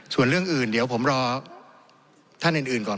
ส่วนเรื่องอื่นเดี๋ยวผมรอท่านอื่นก่อน